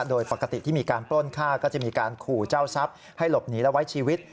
โดยปกติที่มีการปล้นฆ่าก็จะมีการขู่เจ้าทรัพย์ให้หลบหนีและไว้ชีวิต